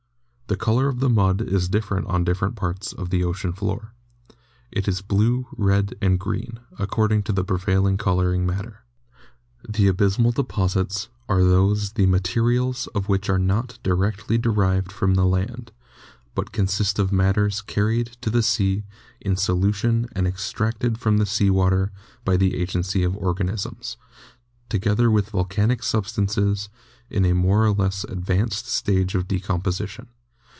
The color of the mud is different on different parts of the ocean floor. It is blue, red, and green, according to the prevailing coloring matter. The Abysmal deposits are those the materials of which are not directly derived from the land, but consist of matters carried to the sea in solution and extracted from the sea water by the agency of organisms, together with volcanic substances in a more or less advanced stage of decomposition.